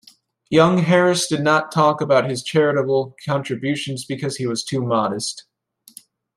Young Harris did not talk about his charitable contributions because he was too modest.